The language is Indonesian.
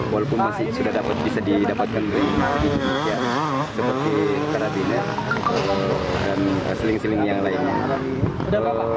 walaupun masih bisa didapatkan dari indonesia seperti karabiner dan seling seling yang lainnya